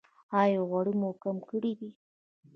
ایا غوړي مو کم کړي دي؟